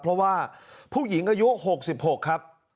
เพราะว่าผู้หญิงอายุ๖๖ครับ